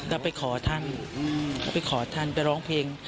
เราไปขอท่านไปขอท่านไปร้องเพลง